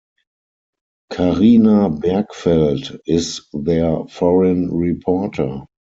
Carina Bergfeldt is their foreign reporter.